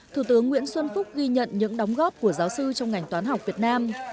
thủ tướng nguyễn xuân phúc ghi nhận những đóng góp của giáo sư trong ngành toán học việt nam